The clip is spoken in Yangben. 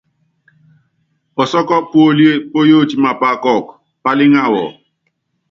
Pɔsɔ́kɔ́ puólíe póyótí mapá kɔ́ɔku, pálíŋa wɔ.